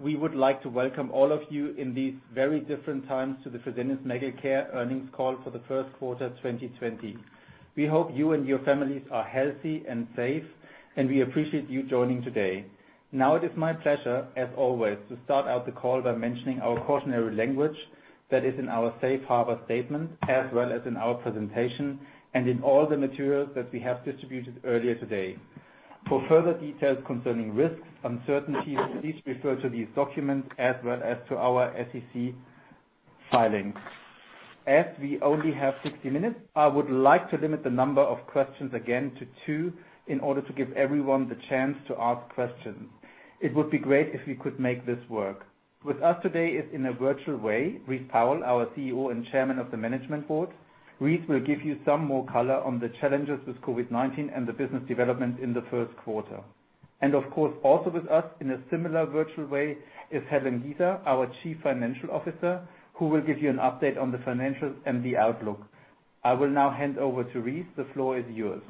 We would like to welcome all of you in these very different times to the Fresenius Medical Care earnings call for the first quarter 2020. We hope you and your families are healthy and safe, and we appreciate you joining today. Now it is my pleasure, as always, to start out the call by mentioning our cautionary language that is in our safe harbor statement, as well as in our presentation and in all the materials that we have distributed earlier today. For further details concerning risks, uncertainties, please refer to these documents as well as to our SEC filings. As we only have 60 minutes, I would like to limit the number of questions again to two in order to give everyone the chance to ask questions. It would be great if we could make this work. With us today is, in a virtual way, Rice Powell, our CEO and Chairman of the Management Board. Rice will give you some more color on the challenges with COVID-19 and the business development in the first quarter. Also with us in a similar virtual way is Helen Giza, our Chief Financial Officer, who will give you an update on the financials and the outlook. I will now hand over to Rice. The floor is yours.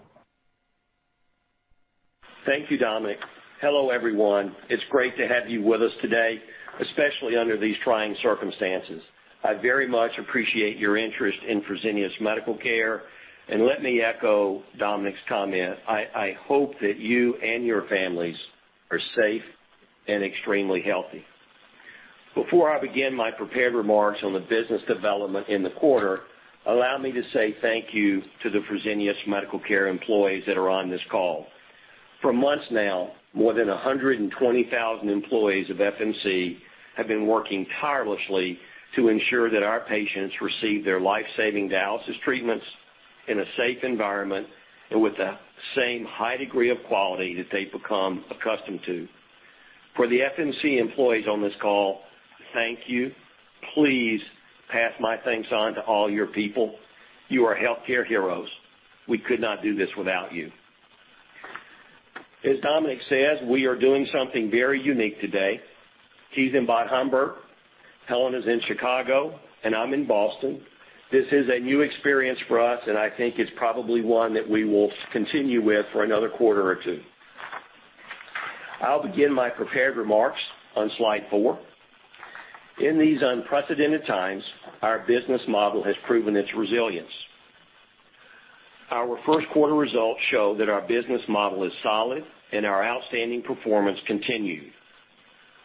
Thank you, Dominik. Hello, everyone. It's great to have you with us today, especially under these trying circumstances. I very much appreciate your interest in Fresenius Medical Care, and let me echo Dominik's comment. I hope that you and your families are safe and extremely healthy. Before I begin my prepared remarks on the business development in the quarter, allow me to say thank you to the Fresenius Medical Care employees that are on this call. For months now, more than 120,000 employees of FMC have been working tirelessly to ensure that our patients receive their life-saving dialysis treatments in a safe environment and with the same high degree of quality that they've become accustomed to. For the FMC employees on this call, thank you. Please pass my thanks on to all your people. You are healthcare heroes. We could not do this without you. As Dominik says, we are doing something very unique today. He's in Bad Homburg, Helen is in Chicago, and I'm in Boston. This is a new experience for us, I think it's probably one that we will continue with for another quarter or two. I'll begin my prepared remarks on slide four. In these unprecedented times, our business model has proven its resilience. Our first quarter results show that our business model is solid and our outstanding performance continued.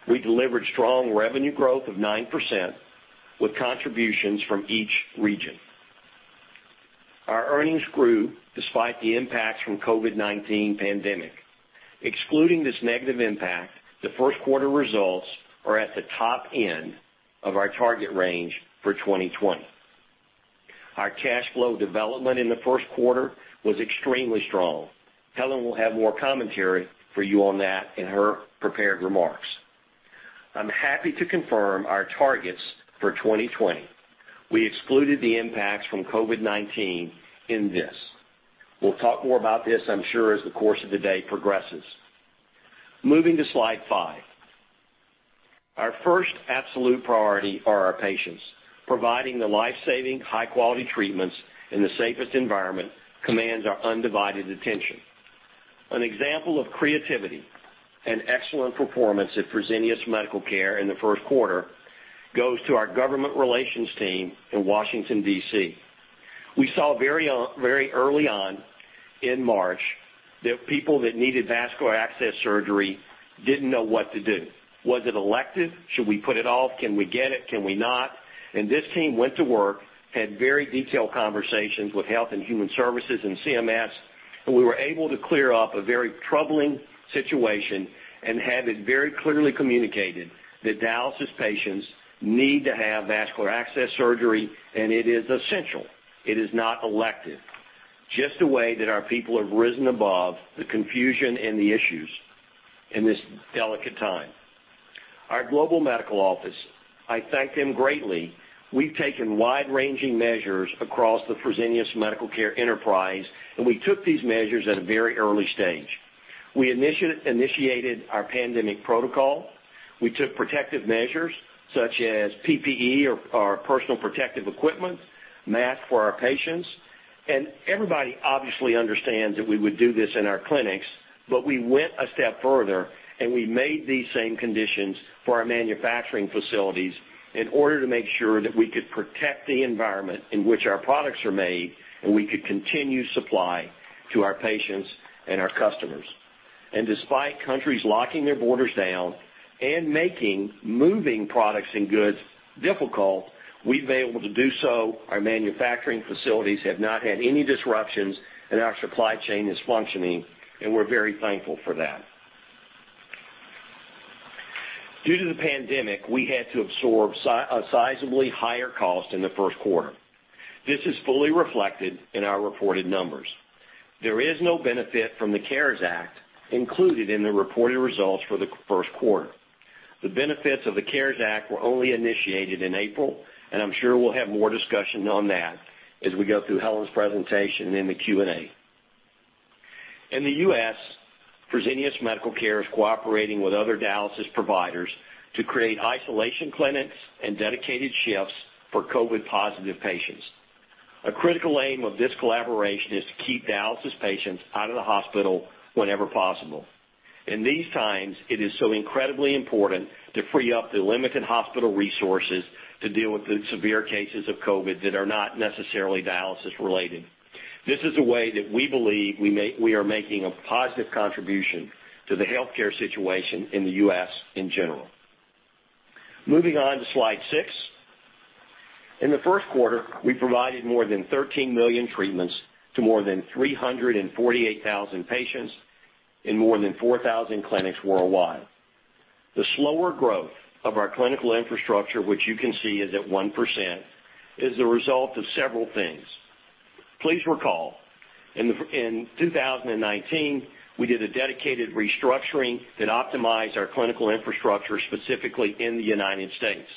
We delivered strong revenue growth of 9% with contributions from each region. Our earnings grew despite the impacts from COVID-19 pandemic. Excluding this negative impact, the first quarter results are at the top end of our target range for 2020. Our cash flow development in the first quarter was extremely strong. Helen will have more commentary for you on that in her prepared remarks. I'm happy to confirm our targets for 2020. We excluded the impacts from COVID-19 in this. We'll talk more about this, I'm sure, as the course of the day progresses. Moving to slide five. Our first absolute priority are our patients. Providing the life-saving, high-quality treatments in the safest environment commands our undivided attention. An example of creativity and excellent performance at Fresenius Medical Care in the first quarter goes to our government relations team in Washington, D.C. We saw very early on in March that people that needed vascular access surgery didn't know what to do. Was it elective? Should we put it off? Can we get it? Can we not? This team went to work, had very detailed conversations with Health and Human Services and CMS. We were able to clear up a very troubling situation and have it very clearly communicated that dialysis patients need to have vascular access surgery. It is essential. It is not elective. Just a way that our people have risen above the confusion and the issues in this delicate time. Our global medical office, I thank them greatly. We've taken wide-ranging measures across the Fresenius Medical Care enterprise. We took these measures at a very early stage. We initiated our pandemic protocol. We took protective measures such as PPE or personal protective equipment, masks for our patients. Everybody obviously understands that we would do this in our clinics, but we went a step further, and we made these same conditions for our manufacturing facilities in order to make sure that we could protect the environment in which our products are made, and we could continue supply to our patients and our customers. Despite countries locking their borders down and making moving products and goods difficult, we've been able to do so. Our manufacturing facilities have not had any disruptions, and our supply chain is functioning, and we're very thankful for that. Due to the pandemic, we had to absorb a sizably higher cost in the first quarter. This is fully reflected in our reported numbers. There is no benefit from the CARES Act included in the reported results for the first quarter. The benefits of the CARES Act were only initiated in April. I'm sure we'll have more discussion on that as we go through Helen's presentation and the Q&A. In the U.S., Fresenius Medical Care is cooperating with other dialysis providers to create isolation clinics and dedicated shifts for COVID-positive patients. A critical aim of this collaboration is to keep dialysis patients out of the hospital whenever possible. In these times, it is so incredibly important to free up the limited hospital resources to deal with the severe cases of COVID that are not necessarily dialysis-related. This is a way that we believe we are making a positive contribution to the healthcare situation in the U.S. in general. Moving on to slide six. In the first quarter, we provided more than 13 million treatments to more than 348,000 patients in more than 4,000 clinics worldwide. The slower growth of our clinical infrastructure, which you can see is at 1%, is the result of several things. Please recall, in 2019, we did a dedicated restructuring that optimized our clinical infrastructure, specifically in the United States.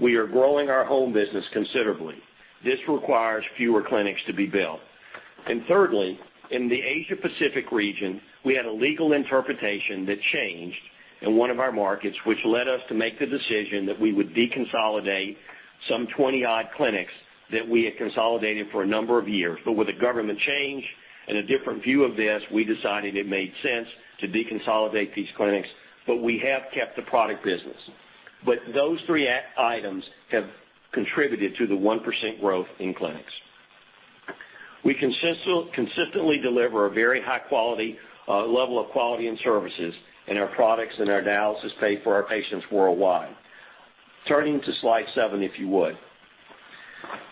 We are growing our home business considerably. This requires fewer clinics to be built. Thirdly, in the Asia-Pacific region, we had a legal interpretation that changed in one of our markets, which led us to make the decision that we would de-consolidate some 20-odd clinics that we had consolidated for a number of years. With a government change and a different view of this, we decided it made sense to de-consolidate these clinics, but we have kept the product business. Those three items have contributed to the 1% growth in clinics. We consistently deliver a very high level of quality in services in our products and our dialysis paid for our patients worldwide. Turning to slide seven, if you would.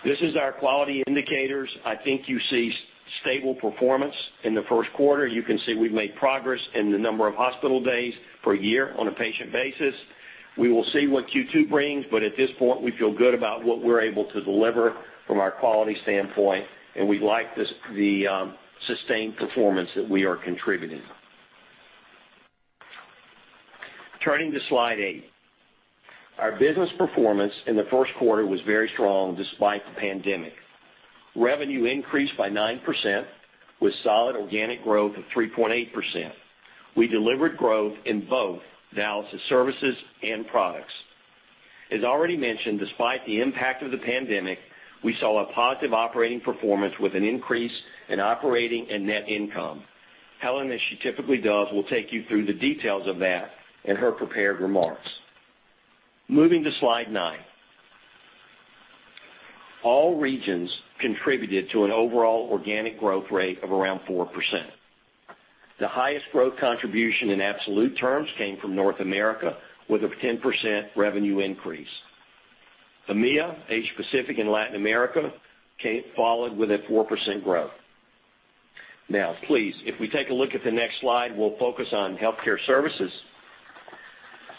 This is our quality indicators. I think you see stable performance in the first quarter. You can see we've made progress in the number of hospital days per year on a patient basis. We will see what Q2 brings, but at this point, we feel good about what we're able to deliver from our quality standpoint, and we like the sustained performance that we are contributing. Turning to slide eight. Our business performance in the first quarter was very strong despite the pandemic. Revenue increased by 9% with solid organic growth of 3.8%. We delivered growth in both dialysis services and products. As already mentioned, despite the impact of the pandemic, we saw a positive operating performance with an increase in operating and net income. Helen, as she typically does, will take you through the details of that in her prepared remarks. Moving to slide nine. All regions contributed to an overall organic growth rate of around 4%. The highest growth contribution in absolute terms came from North America with a 10% revenue increase. EMEA, Asia Pacific, and Latin America followed with a 4% growth. Please, if we take a look at the next slide, we'll focus on healthcare services.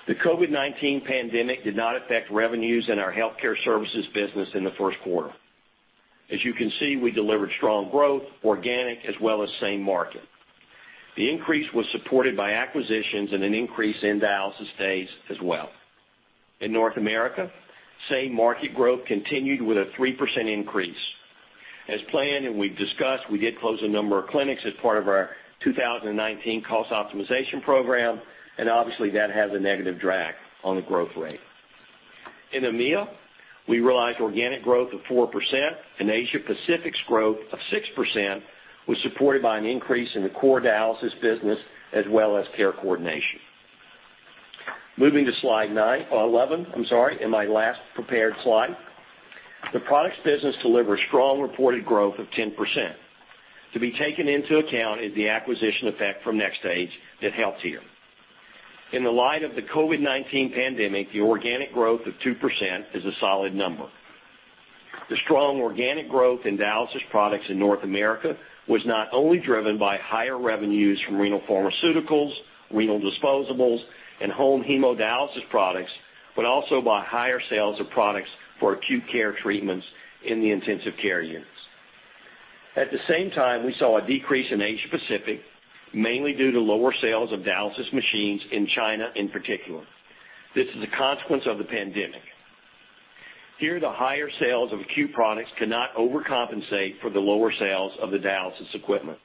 The COVID-19 pandemic did not affect revenues in our healthcare services business in the first quarter. As you can see, we delivered strong growth, organic as well as same market. The increase was supported by acquisitions and an increase in dialysis days as well. In North America, same market growth continued with a 3% increase. As planned and we've discussed, we did close a number of clinics as part of our 2019 cost optimization program, and obviously, that has a negative drag on the growth rate. In EMEA, we realized organic growth of 4%, and Asia Pacific's growth of 6% was supported by an increase in the core dialysis business as well as care coordination. Moving to slide nine, eleven, I'm sorry, and my last prepared slide. The products business delivered strong reported growth of 10%. To be taken into account is the acquisition effect from NxStage that helps here. In the light of the COVID-19 pandemic, the organic growth of 2% is a solid number. The strong organic growth in dialysis products in North America was not only driven by higher revenues from renal pharmaceuticals, renal disposables, and home hemodialysis products, but also by higher sales of products for acute care treatments in the intensive care units. At the same time, we saw a decrease in Asia-Pacific, mainly due to lower sales of dialysis machines in China in particular. This is a consequence of the pandemic. Here, the higher sales of acute products cannot overcompensate for the lower sales of the dialysis equipment.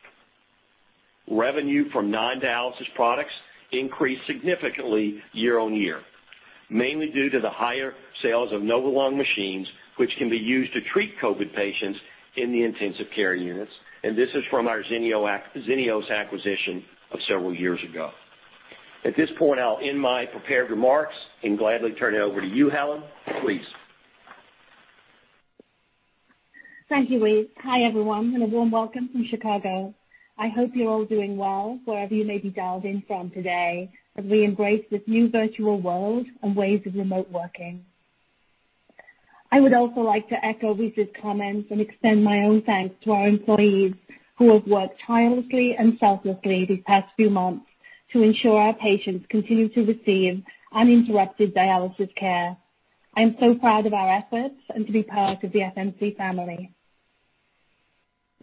Revenue from non-dialysis products increased significantly year-on-year, mainly due to the higher sales of Novalung machines, which can be used to treat COVID patients in the intensive care units, and this is from our Xenios acquisition of several years ago. At this point, I'll end my prepared remarks and gladly turn it over to you, Helen. Please. Thank you, Rice. Hi, everyone, and a warm welcome from Chicago. I hope you're all doing well wherever you may be dialed in from today as we embrace this new virtual world and ways of remote working. I would also like to echo Rice's comments and extend my own thanks to our employees who have worked tirelessly and selflessly these past few months to ensure our patients continue to receive uninterrupted dialysis care. I am so proud of our efforts and to be part of the FMC family.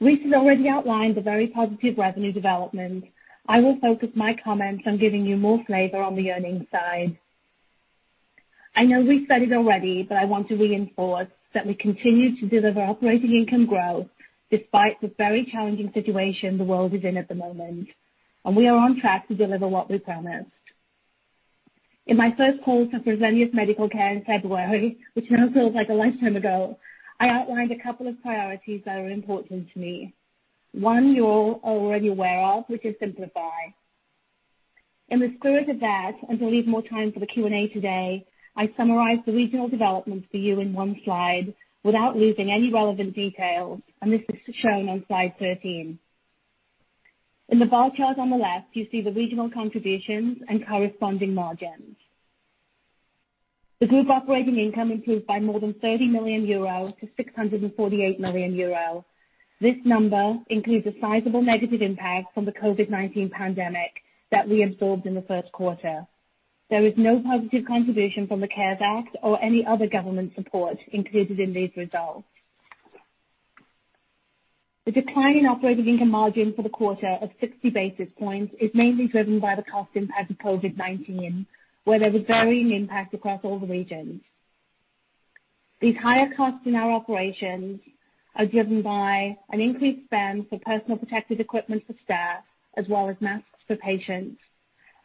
Rice has already outlined the very positive revenue development. I will focus my comments on giving you more flavor on the earnings side. I know we said it already. I want to reinforce that we continue to deliver operating income growth despite the very challenging situation the world is in at the moment. We are on track to deliver what we promised. In my first call to Fresenius Medical Care in February, which now feels like a lifetime ago, I outlined a couple of priorities that are important to me. One you're already aware of, which is simplify. In the spirit of that, and to leave more time for the Q&A today, I summarized the regional developments for you in one slide without losing any relevant details, and this is shown on slide 13. In the bar chart on the left, you see the regional contributions and corresponding margins. The group operating income improved by more than 30 million euro to 648 million euro. This number includes a sizable negative impact from the COVID-19 pandemic that we absorbed in the first quarter. There is no positive contribution from the CARES Act or any other government support included in these results. The decline in operating income margin for the quarter of 60 basis points is mainly driven by the cost impact of COVID-19, where there was varying impact across all the regions. These higher costs in our operations are driven by an increased spend for personal protective equipment for staff as well as masks for patients,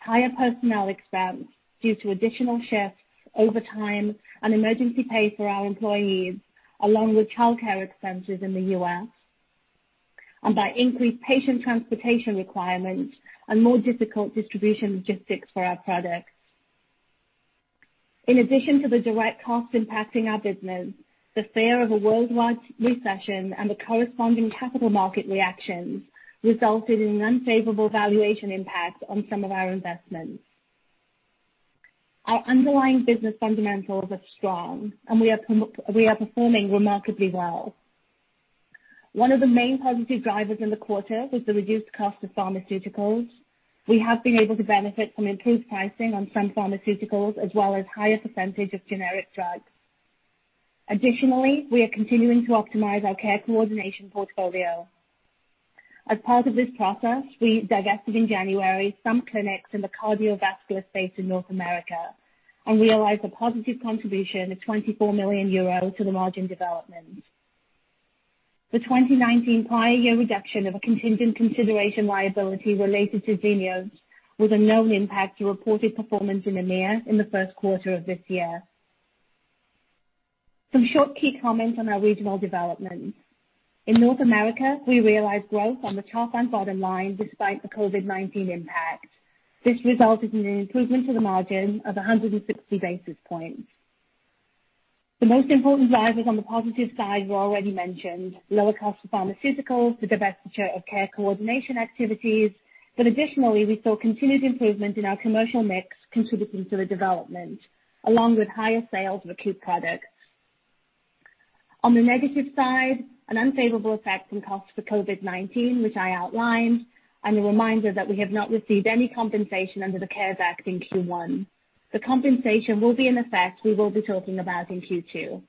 higher personnel expense due to additional shifts, overtime, and emergency pay for our employees, along with childcare expenses in the U.S., and by increased patient transportation requirements and more difficult distribution logistics for our products. In addition to the direct costs impacting our business, the fear of a worldwide recession and the corresponding capital market reactions resulted in an unfavorable valuation impact on some of our investments. Our underlying business fundamentals are strong, and we are performing remarkably well. One of the main positive drivers in the quarter was the reduced cost of pharmaceuticals. We have been able to benefit from improved pricing on some pharmaceuticals, as well as a higher percentage of generic drugs. Additionally, we are continuing to optimize our care coordination portfolio. As part of this process, we divested in January some clinics in the cardiovascular space in North America and realized a positive contribution of 24 million euro to the margin development. The 2019 prior year reduction of a contingent consideration liability related to Xenios was a known impact to reported performance in EMEA in the first quarter of this year. Some short key comments on our regional developments. In North America, we realized growth on the top and bottom line despite the COVID-19 impact. This resulted in an improvement to the margin of 160 basis points. The most important drivers on the positive side were already mentioned, lower cost of pharmaceuticals, the divestiture of care coordination activities. Additionally, we saw continued improvement in our commercial mix, contributing to the development, along with higher sales of acute products. On the negative side, an unfavorable effect from costs for COVID-19, which I outlined, and a reminder that we have not received any compensation under the CARES Act in Q1. The compensation will be in effect, we will be talking about in Q2.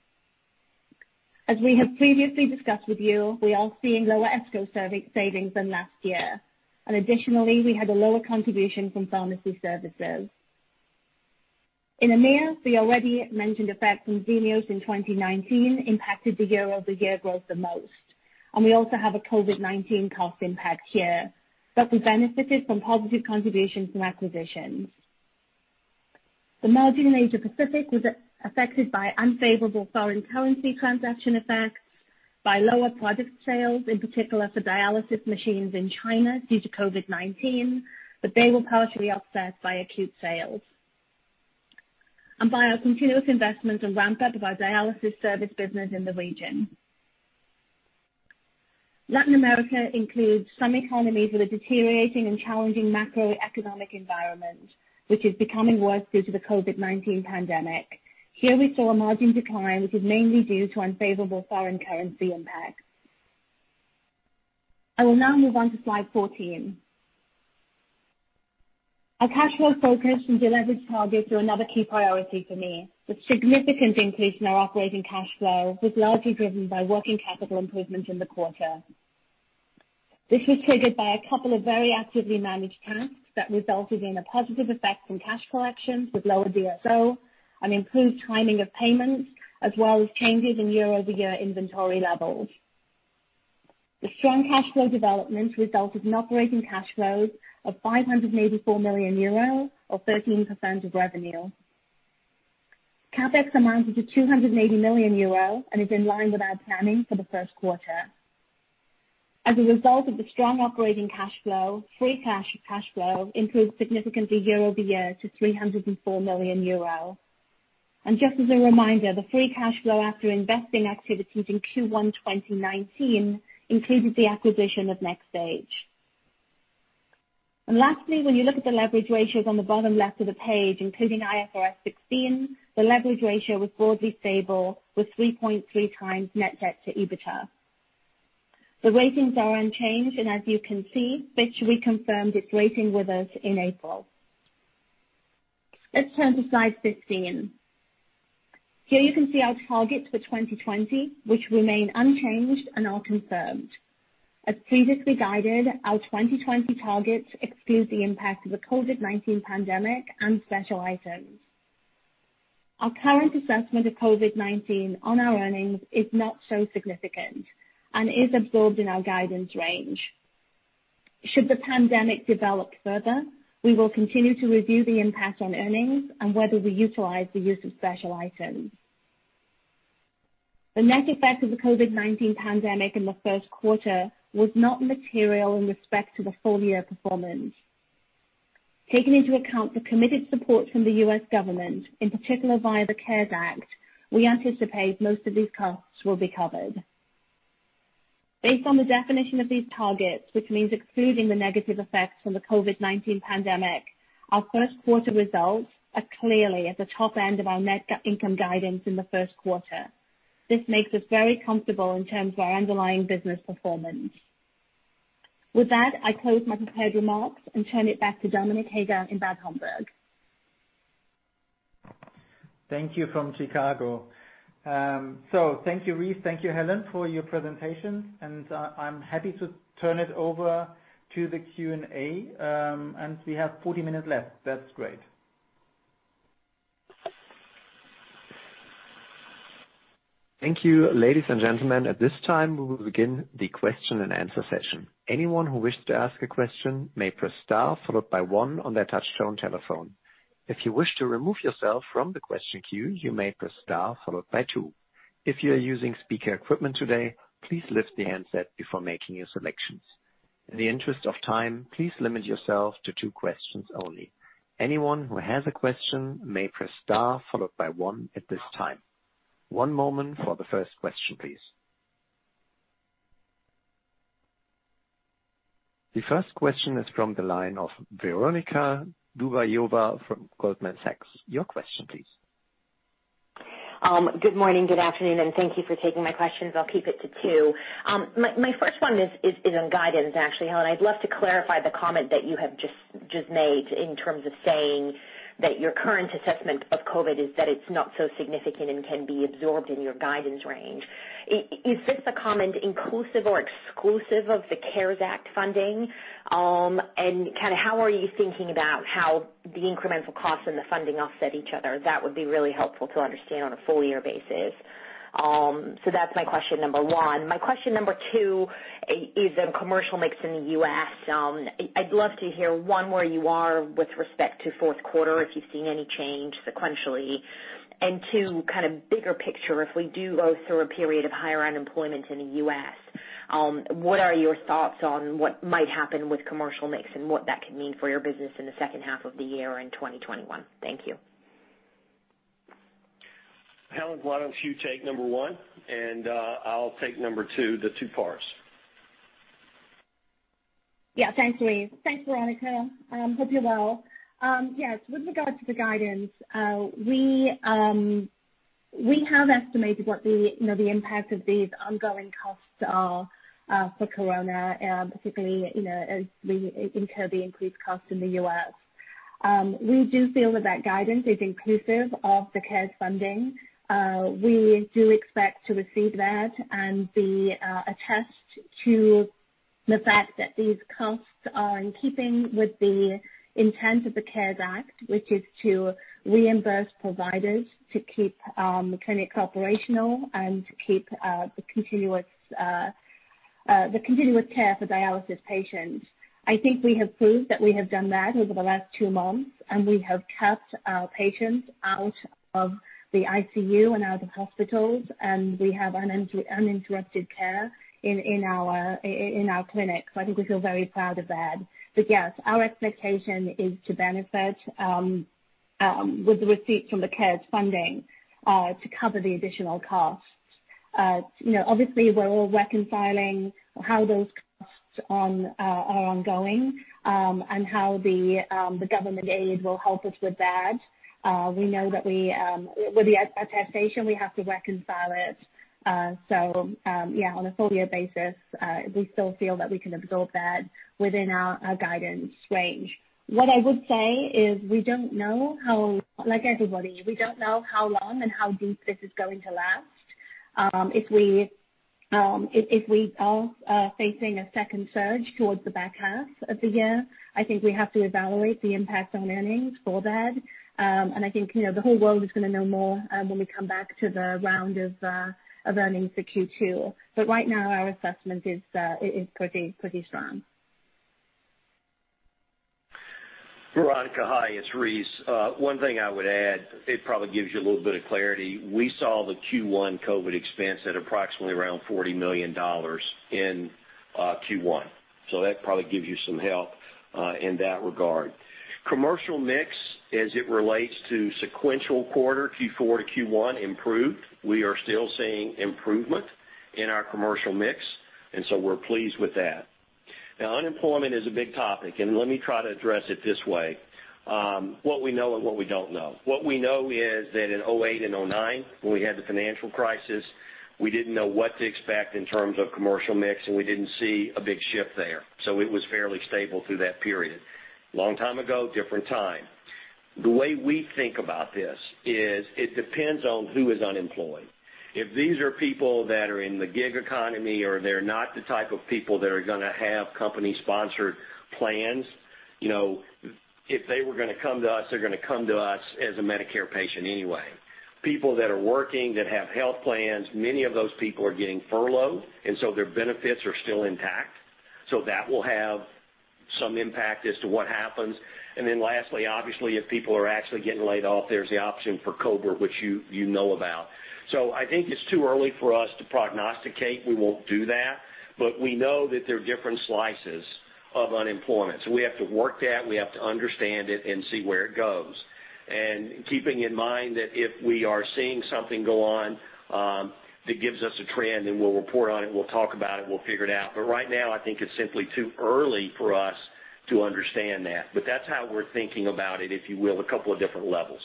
As we have previously discussed with you, we are seeing lower ESCO savings than last year. Additionally, we had a lower contribution from pharmacy services. In EMEA, the already mentioned effect from Xenios in 2019 impacted the year-over-year growth the most, and we also have a COVID-19 cost impact here. We benefited from positive contributions from acquisitions. The margin in Asia Pacific was affected by unfavorable foreign currency transaction effects, by lower product sales, in particular for dialysis machines in China due to COVID-19, they were partially offset by acute sales and by our continuous investment and ramp-up of our dialysis service business in the region. Latin America includes some economies with a deteriorating and challenging macroeconomic environment, which is becoming worse due to the COVID-19 pandemic. Here we saw a margin decline, which is mainly due to unfavorable foreign currency impacts. I will now move on to slide 14. Our cash flow focus and de-leverage targets are another key priority for me. The significant increase in our operating cash flow was largely driven by working capital improvements in the quarter. This was triggered by a couple of very actively managed tasks that resulted in a positive effect from cash collections with lower DSO and improved timing of payments, as well as changes in year-over-year inventory levels. The strong cash flow development resulted in operating cash flows of 584 million euro or 13% of revenue. CapEx amounted to 280 million euro and is in line with our planning for the first quarter. As a result of the strong operating cash flow, free cash flow improved significantly year-over-year to 304 million euro. Just as a reminder, the free cash flow after investing activities in Q1 2019 included the acquisition of NxStage. Lastly, when you look at the leverage ratios on the bottom left of the page, including IFRS 16, the leverage ratio was broadly stable with 3.3 times net debt to EBITDA. The ratings are unchanged. As you can see, Fitch reconfirmed its rating with us in April. Let's turn to slide 15. Here you can see our targets for 2020, which remain unchanged and are confirmed. As previously guided, our 2020 targets exclude the impact of the COVID-19 pandemic and special items. Our current assessment of COVID-19 on our earnings is not so significant and is absorbed in our guidance range. Should the pandemic develop further, we will continue to review the impact on earnings and whether we utilize the use of special items. The net effect of the COVID-19 pandemic in the first quarter was not material in respect to the full-year performance. Taking into account the committed support from the U.S. government, in particular via the CARES Act, we anticipate most of these costs will be covered. Based on the definition of these targets, which means excluding the negative effects from the COVID-19 pandemic, our first quarter results are clearly at the top end of our net income guidance in the first quarter. This makes us very comfortable in terms of our underlying business performance. With that, I close my prepared remarks and turn it back to Dominik Heger in Bad Homburg. Thank you from Chicago. Thank you, Rice, thank you, Helen, for your presentations, and I'm happy to turn it over to the Q&A, and we have 40 minutes left. That's great. Thank you, ladies and gentlemen. At this time, we will begin the question and answer session. Anyone who wishes to ask a question may press star followed by one on their touch-tone telephone. If you wish to remove yourself from the question queue, you may press star followed by two. If you are using speaker equipment today, please lift the handset before making your selections. In the interest of time, please limit yourself to two questions only. Anyone who has a question may press star followed by one at this time. One moment for the first question, please. The first question is from the line of Veronika Dubajova from Goldman Sachs. Your question please. Good morning, good afternoon, thank you for taking my questions. I'll keep it to two. My first one is on guidance, actually, Helen. I'd love to clarify the comment that you have just made in terms of saying that your current assessment of COVID is that it's not so significant and can be absorbed in your guidance range. Is this the comment inclusive or exclusive of the CARES Act funding? Kind of how are you thinking about how the incremental costs and the funding offset each other? That would be really helpful to understand on a full-year basis. That's my question number one. My question number two is on commercial mix in the U.S. I'd love to hear, one, where you are with respect to fourth quarter, if you've seen any change sequentially, and two, kind of bigger picture, if we do go through a period of higher unemployment in the U.S., what are your thoughts on what might happen with commercial mix and what that could mean for your business in the second half of the year and 2021? Thank you. Helen, why don't you take number one and I'll take number two, the two parts. Yeah. Thanks, Rice. Thanks, Veronika. Hope you're well. Yes. With regard to the guidance, we have estimated what the impact of these ongoing costs are for Corona, particularly as we incur the increased cost in the U.S. We do feel that the guidance is inclusive of the CARES funding. We do expect to receive that and we attest to the fact that these costs are in keeping with the intent of the CARES Act, which is to reimburse providers to keep clinics operational and to keep the continuous care for dialysis patients. I think we have proved that we have done that over the last two months, and we have kept our patients out of the ICU and out of hospitals, and we have uninterrupted care in our clinics. I think we feel very proud of that. Yes, our expectation is to benefit with the receipt from the CARES funding to cover the additional costs. Obviously, we're all reconciling how those costs are ongoing, and how the government aid will help us with that. We know that with the attestation, we have to reconcile it. Yeah, on a full-year basis, we still feel that we can absorb that within our guidance range. What I would say is, like everybody, we don't know how long and how deep this is going to last. If we are facing a second surge towards the back half of the year, I think we have to evaluate the impact on earnings for that. I think the whole world is going to know more when we come back to the round of earnings for Q2. Right now, our assessment is pretty strong. Veronika, hi, it's Rice. One thing I would add, it probably gives you a little bit of clarity. We saw the Q1 COVID expense at approximately around $40 million in Q1. That probably gives you some help in that regard. Commercial mix as it relates to sequential quarter Q4 to Q1 improved. We are still seeing improvement in our commercial mix, we're pleased with that. Unemployment is a big topic, and let me try to address it this way. What we know and what we don't know. What we know is that in 2008 and 2009, when we had the financial crisis, we didn't know what to expect in terms of commercial mix, and we didn't see a big shift there. It was fairly stable through that period. Long time ago, different time. The way we think about this is it depends on who is unemployed. If these are people that are in the gig economy or they're not the type of people that are going to have company-sponsored plans, if they were going to come to us, they're going to come to us as a Medicare patient anyway. People that are working, that have health plans, many of those people are getting furloughed, and so their benefits are still intact. That will have some impact as to what happens. Lastly, obviously, if people are actually getting laid off, there's the option for COBRA, which you know about. I think it's too early for us to prognosticate. We won't do that. We know that there are different slices of unemployment. We have to work that, we have to understand it, and see where it goes. Keeping in mind that if we are seeing something go on that gives us a trend, then we'll report on it, we'll talk about it, we'll figure it out. Right now, I think it's simply too early for us to understand that. That's how we're thinking about it, if you will, a couple of different levels.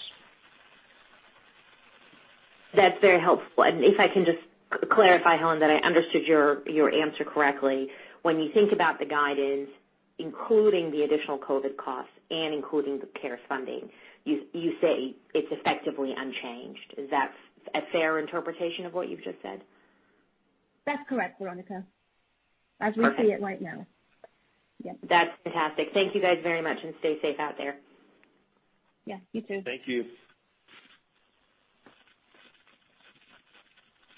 That's very helpful. If I can just clarify, Helen, that I understood your answer correctly. When you think about the guidance, including the additional COVID costs and including the CARES funding, you say it's effectively unchanged. Is that a fair interpretation of what you've just said? That's correct, Veronika. Okay. As we see it right now. Yep. That's fantastic. Thank you guys very much, and stay safe out there. Yeah, you too. Thank you.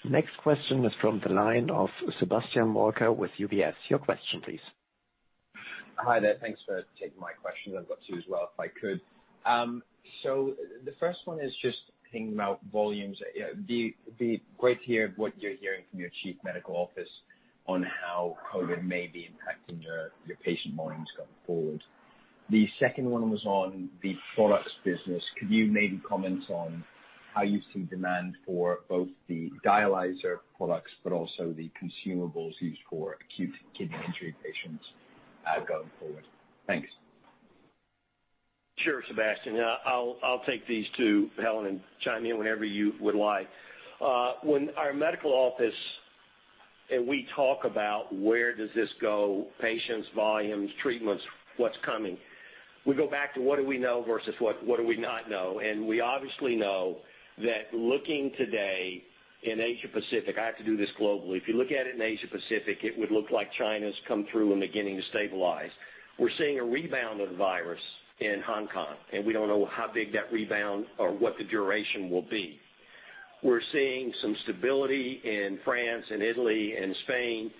Next question is from the line of Sebastian Walker with UBS. Your question, please. Hi there. Thanks for taking my question. I've got two as well, if I could. The first one is just thinking about volumes. It'd be great to hear what you're hearing from your chief medical office on how COVID may be impacting your patient volumes going forward. The second one was on the products business. Could you maybe comment on how you see demand for both the dialyzer products but also the consumables used for acute kidney injury patients going forward? Thanks. Sure, Sebastian. I'll take these two, Helen, and chime in whenever you would like. When our medical office and we talk about where does this go, patients, volumes, treatments, what's coming, we go back to what do we know versus what do we not know. We obviously know that looking today in Asia Pacific, I have to do this globally. If you look at it in Asia Pacific, it would look like China's come through and beginning to stabilize. We're seeing a rebound of the virus in Hong Kong, and we don't know how big that rebound or what the duration will be. We're seeing some stability in France and Italy and Spain.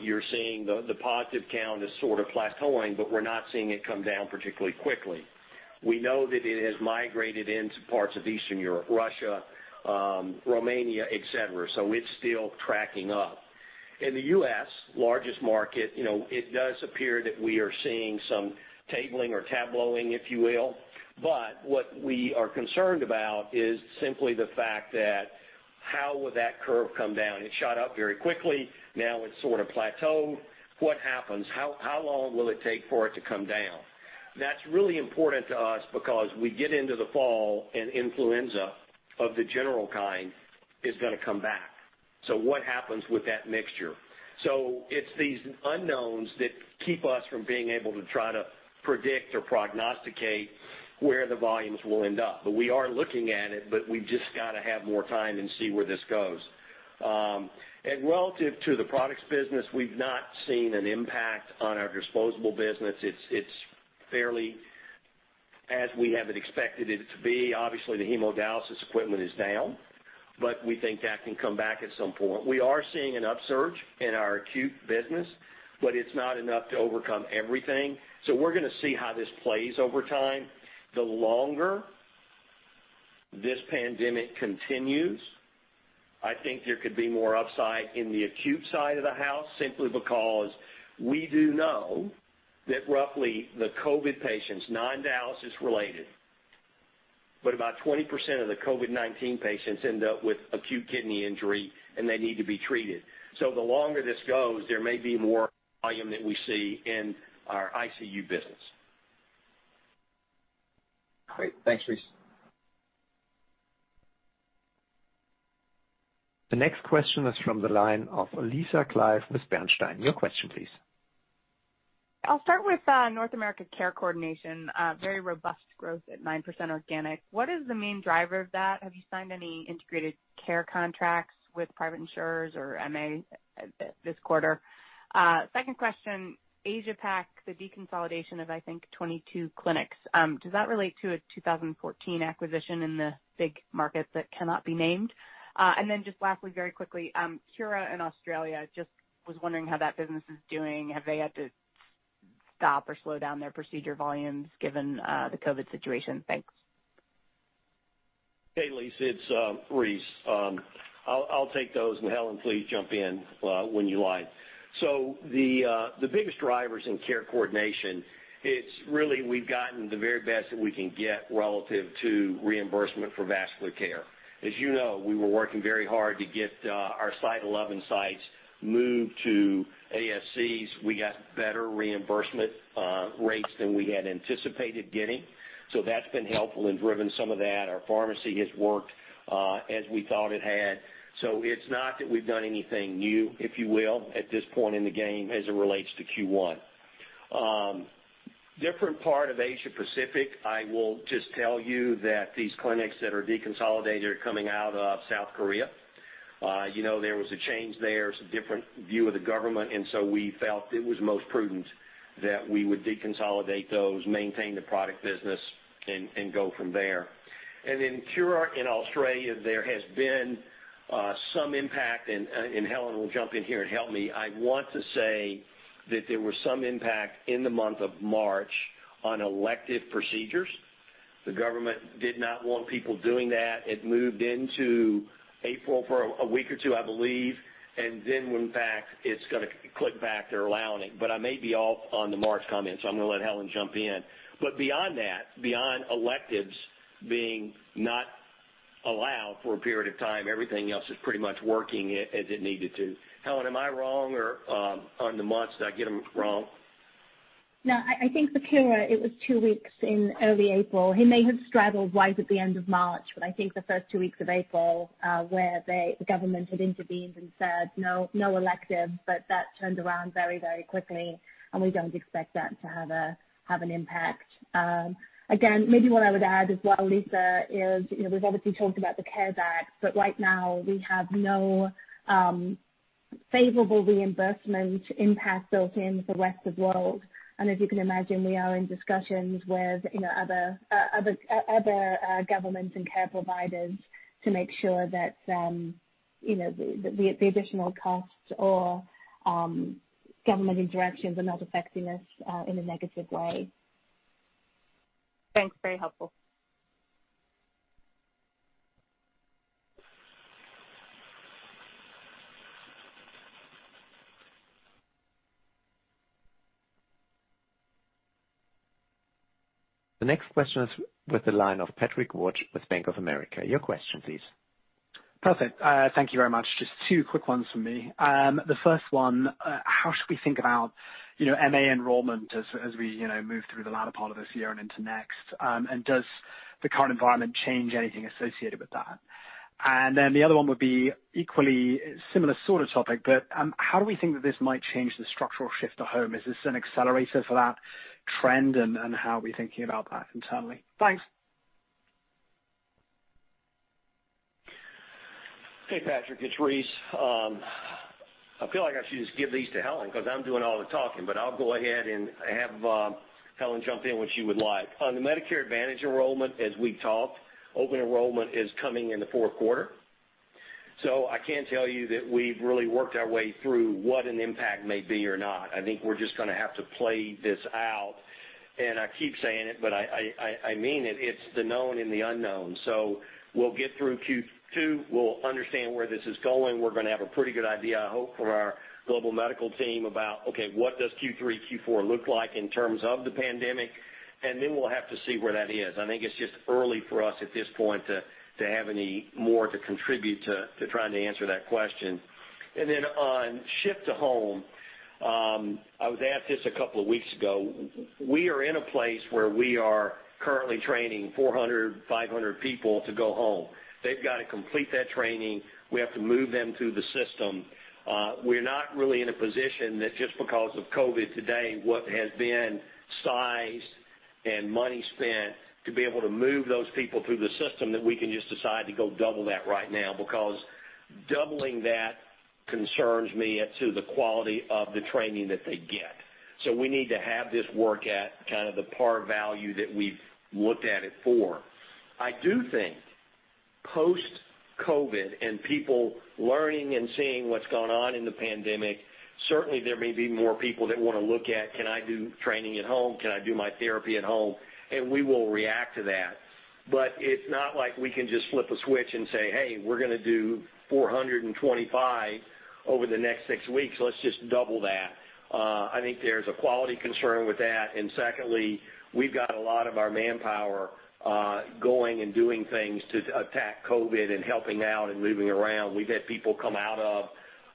You're seeing the positive count is sort of plateauing, but we're not seeing it come down particularly quickly. We know that it has migrated into parts of Eastern Europe, Russia, Romania, et cetera, so it's still tracking up. In the U.S., largest market, it does appear that we are seeing some tabling or tableauing, if you will. What we are concerned about is simply the fact that how will that curve come down. It shot up very quickly. Now it's sort of plateaued. What happens? How long will it take for it to come down? That's really important to us because we get into the fall and influenza of the general kind is going to come back. What happens with that mixture? It's these unknowns that keep us from being able to try to predict or prognosticate where the volumes will end up, but we are looking at it, but we've just got to have more time and see where this goes. Relative to the products business, we've not seen an impact on our disposable business. It's fairly as we have expected it to be. Obviously, the hemodialysis equipment is down, but we think that it can come back at some point. We are seeing an upsurge in our acute business, but it's not enough to overcome everything. We're going to see how this plays over time. The longer this pandemic continues, I think there could be more upside in the acute side of the house simply because we do know that roughly the COVID patients, non-dialysis related, but about 20% of the COVID-19 patients end up with acute kidney injury, and they need to be treated. The longer this goes, there may be more volume that we see in our ICU business. Great. Thanks, Rice. The next question is from the line of Lisa Clive with Bernstein. Your question, please. I'll start with North America care coordination, very robust growth at 9% organic. What is the main driver of that? Have you signed any integrated care contracts with private insurers or MA this quarter? Second question, Asia Pac, the deconsolidation of, I think, 22 clinics. Does that relate to a 2014 acquisition in the big market that cannot be named? Just lastly, very quickly, Cura in Australia, just wondering how that business is doing. Have they had to stop or slow down their procedure volumes given the COVID situation? Thanks. Hey, Lisa, it's Rice. I'll take those, and Helen, please jump in when you like. The biggest drivers in care coordination it's really we've gotten the very best that we can get relative to reimbursement for vascular care. As you know, we were working very hard to get our Site 11 sites moved to ASCs. We got better reimbursement rates than we had anticipated getting. That's been helpful and driven some of that. Our pharmacy has worked as we thought it had. It's not that we've done anything new, if you will, at this point in the game as it relates to Q1. Different part of Asia Pacific, I will just tell you that these clinics that are deconsolidated are coming out of South Korea. There was a change there, it's a different view of the government, so we felt it was most prudent that we would deconsolidate those, maintain the product business, and go from there. In Cura, in Australia, there has been some impact, and Helen will jump in here and help me. I want to say that there was some impact in the month of March on elective procedures. The government did not want people doing that. It moved into April for a week or two, I believe, and then went back. It's going to click back. They're allowing it, but I may be off on the March comment, so I'm going to let Helen jump in. Beyond that, beyond electives being not allowed for a period of time, everything else is pretty much working as it needed to. Helen, am I wrong or on the months, did I get them wrong? No, I think for Cura, it was two weeks in early April. It may have straddled right at the end of March, but I think the first two weeks of April, where the government had intervened and said, "No electives," but that turned around very quickly, and we don't expect that to have an impact. Again, maybe what I would add as well, Lisa, is we've obviously talked about the CARES Act, but right now we have no favorable reimbursement impact built in for the rest of the world. As you can imagine, we are in discussions with other governments and care providers to make sure that the additional costs or government interactions are not affecting us in a negative way. Thanks. Very helpful. The next question is with the line of Patrick Welch with Bank of America. Your question, please. Perfect. Thank you very much. Just two quick ones from me. The first one, how should we think about MA enrollment as we move through the latter part of this year and into next? Does the current environment change anything associated with that? The other one would be equally similar sort of topic, but how do we think that this might change the structural shift to home? Is this an accelerator for that trend, and how are we thinking about that internally? Thanks. Hey, Patrick, it's Rice. I feel like I should just give these to Helen because I'm doing all the talking. I'll go ahead and have Helen jump in when she would like. On the Medicare Advantage enrollment, as we've talked, open enrollment is coming in the fourth quarter. I can tell you that we've really worked our way through what an impact may be or not. I think we're just going to have to play this out, and I keep saying it, but I mean it. It's the known and the unknown. We'll get through Q2. We'll understand where this is going. We're going to have a pretty good idea, I hope, for our global medical team about, okay, what does Q3, Q4 look like in terms of the pandemic? We'll have to see where that is. I think it's just early for us at this point to have any more to contribute to trying to answer that question. On shift to home, I was asked this a couple of weeks ago. We are in a place where we are currently training 400, 500 people to go home. They've got to complete that training. We have to move them through the system. We're not really in a position that just because of COVID today, what has been sized and money spent to be able to move those people through the system, that we can just decide to go double that right now, because doubling that concerns me as to the quality of the training that they get. We need to have this work at kind of the par value that we've looked at it for. I do think post-COVID and people learning and seeing what's gone on in the pandemic, certainly there may be more people that want to look at, can I do training at home? Can I do my therapy at home? We will react to that. It's not like we can just flip a switch and say, "Hey, we're going to do 425 over the next six weeks. Let's just double that." I think there's a quality concern with that. Secondly, we've got a lot of our manpower going and doing things to attack COVID and helping out and moving around. We've had people come out of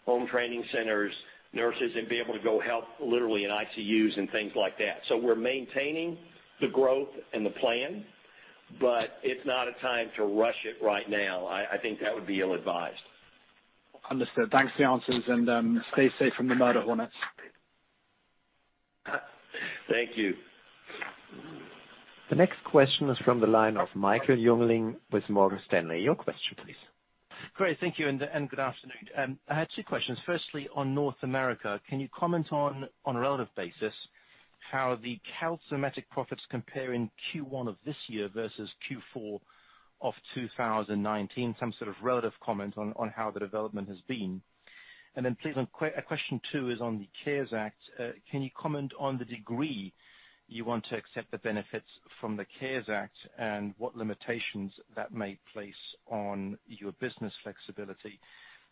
home training centers, nurses, and be able to go help literally in ICUs and things like that. We're maintaining the growth and the plan, but it's not a time to rush it right now. I think that would be ill-advised. Understood. Thanks for the answers. Stay safe from the murder hornets. Thank you. The next question is from the line of Michael Jungling with Morgan Stanley. Your question, please. Great. Thank you, and good afternoon. I had two questions. Firstly, on North America, can you comment on a relative basis how the calcimimetic profits compare in Q1 of this year versus Q4 of 2019? Some sort of relative comment on how the development has been. Then please, a question two is on the CARES Act. Can you comment on the degree you want to accept the benefits from the CARES Act and what limitations that may place on your business flexibility?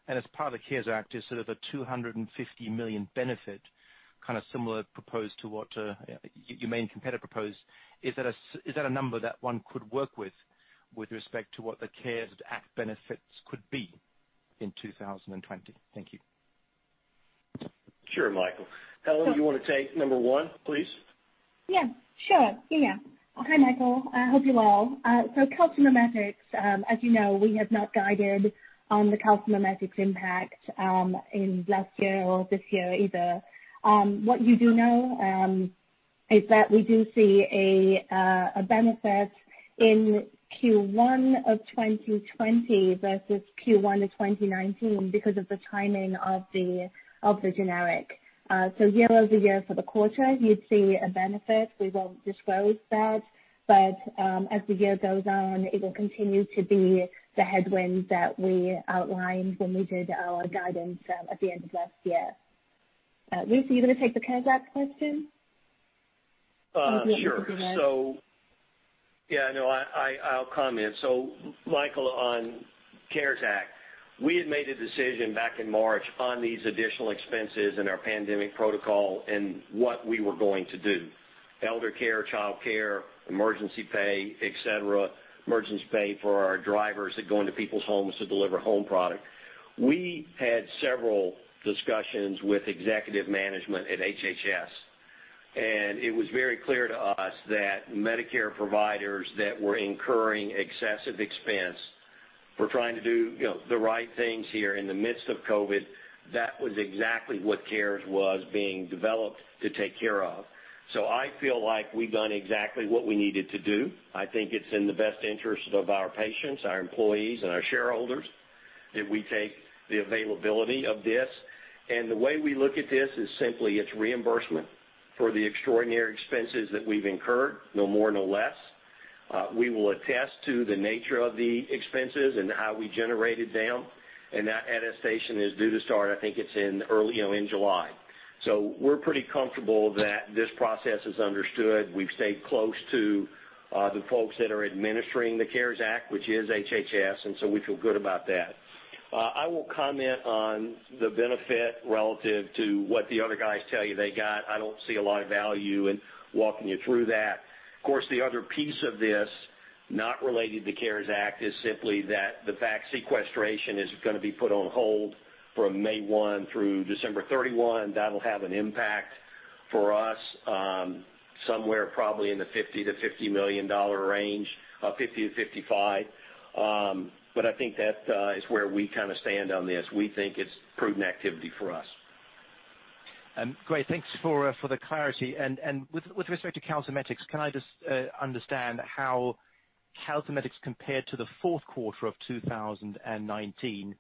As part of the CARES Act is sort of a $250 million benefit, kind of similar proposed to what your main competitor proposed. Is that a number that one could work with respect to what the CARES Act benefits could be in 2020? Thank you. Sure, Michael. Helen, do you want to take number one, please? Yeah, sure. Yeah. Hi, Michael. I hope you're well. calcimimetic, as you know, we have not guided on the calcimimetic impact in last year or this year either. What you do know is that we do see a benefit in Q1 2020 versus Q1 2019 because of the timing of the generic. Year-over-year for the quarter, you'd see a benefit. We won't disclose that. As the year goes on, it will continue to be the headwind that we outlined when we did our guidance at the end of last year. Rice, are you going to take the CARES Act question? Sure. You can go ahead. Yeah, no, I'll comment. Michael, on CARES Act, we had made a decision back in March on these additional expenses and our pandemic protocol and what we were going to do. Elder care, childcare, emergency pay, et cetera, emergency pay for our drivers that go into people's homes to deliver home products. We had several discussions with executive management at HHS, and it was very clear to us that Medicare providers that were incurring excessive expenses were trying to do the right things here in the midst of COVID. That was exactly what CARES was being developed to take care of. I feel like we've done exactly what we needed to do. I think it's in the best interest of our patients, our employees, and our shareholders that we take the availability of this. The way we look at this is simply it's reimbursement for the extraordinary expenses that we've incurred. No more, no less. We will attest to the nature of the expenses and how we generated them, and that attestation is due to start, I think it's in July. We're pretty comfortable that this process is understood. We've stayed close to the folks that are administering the CARES Act, which is HHS, and so we feel good about that. I won't comment on the benefit relative to what the other guys tell you they got. I don't see a lot of value in walking you through that. Of course, the other piece of this, not related to CARES Act, is simply that the fact sequestration is going to be put on hold from May 1 through December 31. That'll have an impact for us, somewhere probably in the EUR 50 million-EUR 55 million range. I think that is where we stand on this. We think it's a prudent activity for us. Great. Thanks for the clarity. With respect to calcimimetics, can I just understand how calcimimetics compared to the fourth quarter of 2019?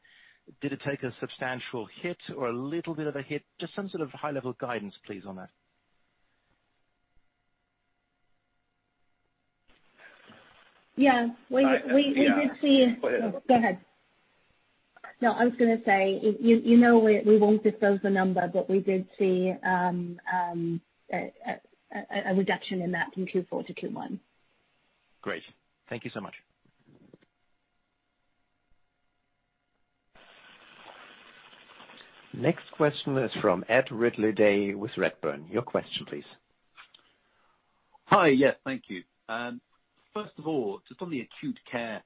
Did it take a substantial hit or a little bit of a hit? Just some sort of high-level guidance, please, on that. Yeah. Go ahead. Go ahead. I was going to say, you know, we won't disclose the number, but we did see a reduction in that from Q4 to Q1. Great. Thank you so much. Next question is from Ed Ridley-Day with Redburn. Your question, please. Hi. Yeah, thank you. First of all, just on the acute care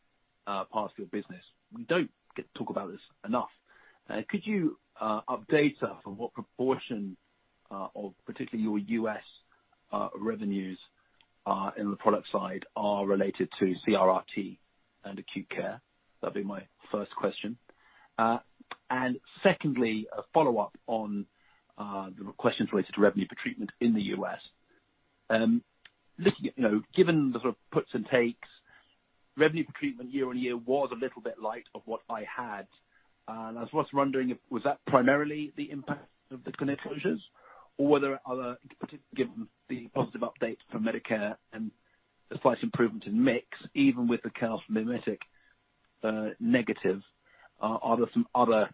part of your business, we don't get to talk about this enough. Could you update us on what proportion of particularly your U.S. revenues in the product side are related to CRRT and acute care? That'd be my first question. Secondly, a follow-up on the questions related to revenue per treatment in the U.S. Given the sort of puts and takes, revenue per treatment year on year was a little bit light of what I had. I was wondering, was that primarily the impact of the clinic closures, or were there other particular, given the positive updates from Medicare and the slight improvement in mix, even with the calcimimetic negative? Are there some other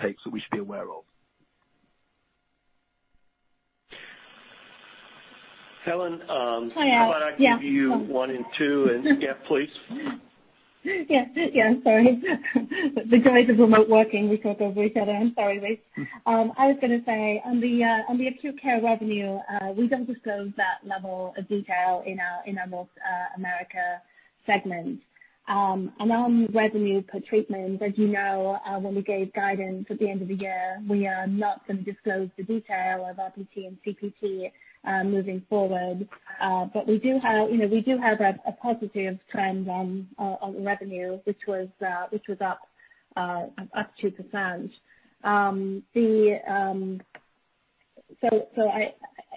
takes that we should be aware of? Helen- Hi Ed. Yeah. How about I give you one and two and Ed, please. Yeah. Sorry. The joys of remote working. We talk over each other. I'm sorry, Rice. I was going to say, on the acute care revenue, we don't disclose that level of detail in our North America segment. On revenue per treatment, as you know, when we gave guidance at the end of the year, we are not going to disclose the details of RPT and CPT moving forward. We do have a positive trend on revenue, which was up 2%.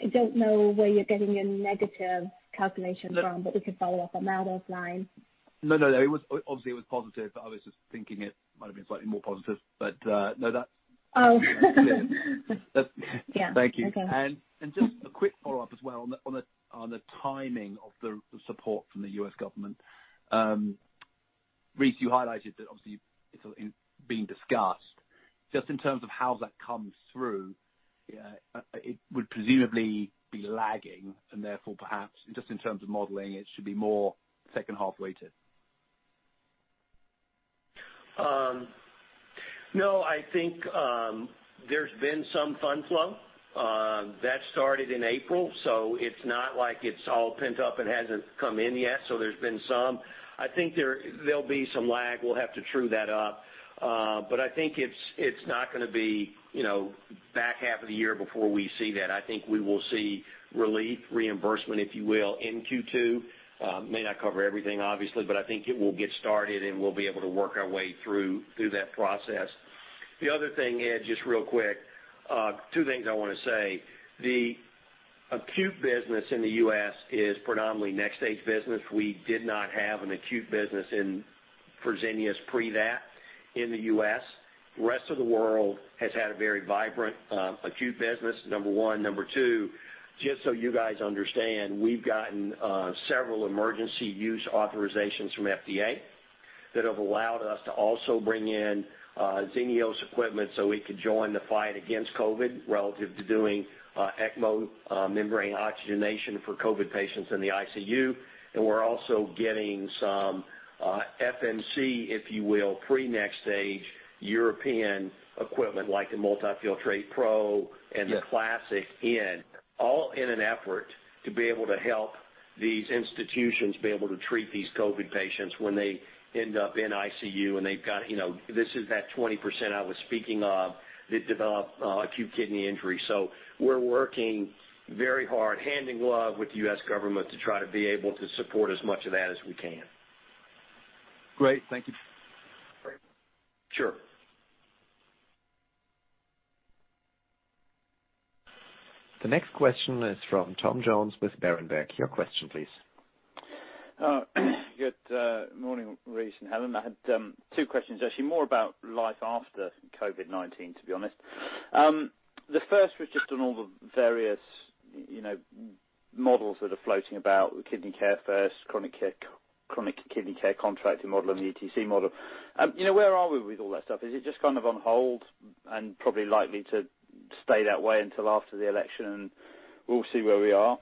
I don't know where you're getting your negative calculation from, but we could follow up on that offline. No, obviously it was positive, but I was just thinking it might have been slightly more positive. Oh. clear. Yeah. Thank you. Okay. Just a quick follow-up as well on the timing of the support from the U.S. government. Rice, you highlighted that obviously it's being discussed. Just in terms of how that comes through, it would presumably be lagging, and therefore, perhaps just in terms of modeling, it should be more second-half weighted. No, I think there's been some fund flow. That started in April, it's not like it's all pent up and hasn't come in yet. There's been some. I think there'll be some lag. We'll have to true that up. I think it's not going to be back half of the year before we see that. I think we will see relief, reimbursement, if you will, in Q2. May not cover everything, obviously, but I think it will get started and we'll be able to work our way through that process. The other thing, Ed, just real quick. Two things I want to say. The acute business in the U.S. is predominantly NxStage business. We did not have an acute business in Fresenius Medical Care pre that in the U.S. The rest of the world has had a very vibrant, acute business, number one. Number two, just so you guys understand, we've gotten several emergency use authorizations from the FDA that have allowed us to also bring in Xenios equipment so we could join the fight against COVID, relative to doing ECMO membrane oxygenation for COVID patients in the ICU. We're also getting some FMC, if you will, pre-NxStage European equipment like the multiFiltratePRO and the Classic in, all in an effort to be able to help these institutions be able to treat these COVID patients when they end up in ICU, and they've got this is that 20% I was speaking of that develops acute kidney injury. We're working very hard, hand in glove with the U.S. government to try to be able to support as much of that as we can. Great. Thank you. Great. Sure. The next question is from Tom Jones with Berenberg. Your question, please. Good morning, Rice and Helen. I had two questions, actually, more about life after COVID-19, to be honest. The first was just on all the various models that are floating about with Kidney Care First, Chronic Kidney Care contracting model, and the ETC model. Where are we with all that stuff? Is it just kind of on hold and probably likely to stay that way until after the election, and we'll see where we are?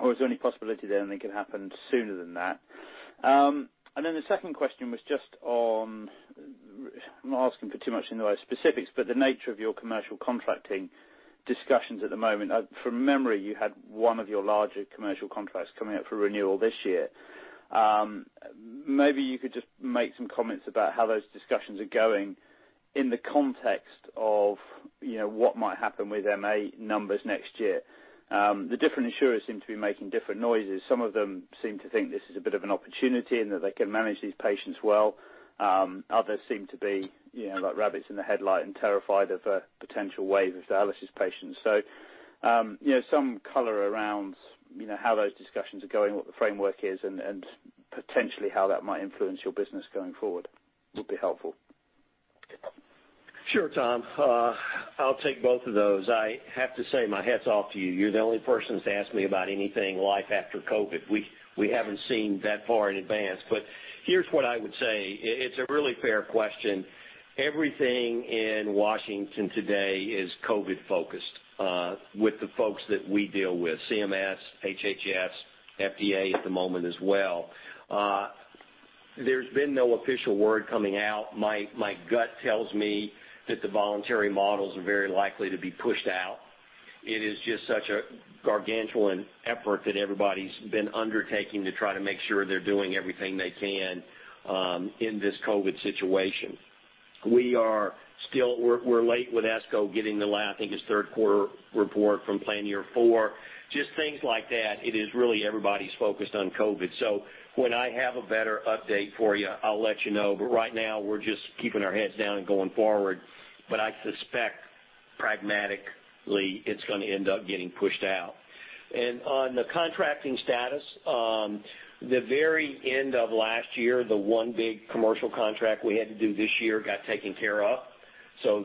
Or is there any possibility that anything could happen sooner than that? Then the second question was just on, I'm not asking for too much in the way of specifics, but the nature of your commercial contracting discussions at the moment. From memory, you had one of your larger commercial contracts coming up for renewal this year. Maybe you could just make some comments about how those discussions are going in the context of what might happen with MA numbers next year. The different insurers seem to be making different noises. Some of them seem to think this is a bit of an opportunity and that they can manage these patients well. Others seem to be like rabbits in the headlights and terrified of a potential wave of dialysis patients. Some color around how those discussions are going, what the framework is, and potentially how that might influence your business going forward would be helpful. Sure, Tom. I'll take both of those. I have to say, my hat's off to you. You're the only person to ask me about anything life after COVID. We haven't seen that far in advance, but here's what I would say. It's a really fair question. Everything in Washington today is COVID-focused, with the folks that we deal with, CMS, HHS, FDA at the moment as well. There's been no official word coming out. My gut tells me that the voluntary models are very likely to be pushed out. It is just such a gargantuan effort that everybody's been undertaking to try to make sure they're doing everything they can in this COVID situation. We're late with ESCO getting the, I think it's third quarter report from plan year four. Just things like that. It is really everybody's focus on COVID. When I have a better update for you, I'll let you know. Right now, we're just keeping our heads down and going forward. I suspect pragmatically it's going to end up getting pushed out. On the contracting status, the very end of last year, the one big commercial contract we had to do this year got taken care of.